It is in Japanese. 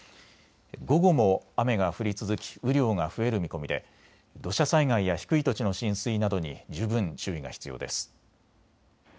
午後も雨が降り続き雨量が増える見込みで土砂災害や低い土地の浸水などに十分注意が必要です。